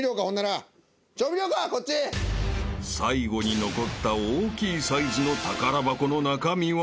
［最後に残った大きいサイズの宝箱の中身は？］